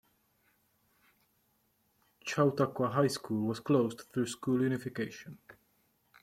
Chautauqua High School was closed through school unification.